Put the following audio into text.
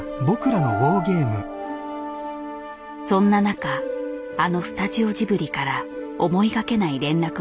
そんな中あのスタジオジブリから思いがけない連絡が入る。